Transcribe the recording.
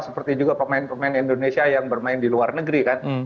seperti juga pemain pemain indonesia yang bermain di luar negeri kan